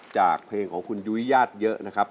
จากเพลงของคุณยุ้ยญาติเยอะนะครับ